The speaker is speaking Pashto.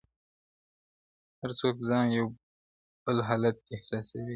هر څوک ځان په بل حالت کي احساسوي ګډ-